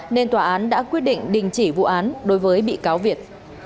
nên tòa án đã quyết định đình chỉ vụ án đối với bị cáo việt